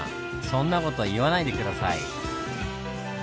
そんな事言わないで下さい。